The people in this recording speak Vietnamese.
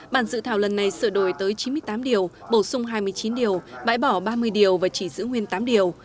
bản dự thảo lần này sửa đổi tới chín mươi tám điều bổ sung hai mươi chín điều bãi bỏ ba mươi điều và chỉ giữ nguyên tám điều